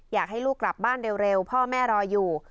อยากให้ลูกกลับบ้านเร็วพ่อแม่รออยู่